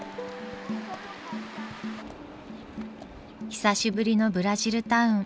久しぶりのブラジルタウン。